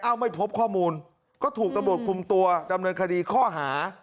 ไม่พบข้อมูลก็ถูกตำรวจคุมตัวดำเนินคดีข้อหา